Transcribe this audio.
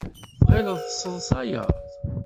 Tɣileḍ tesseḍsayeḍ?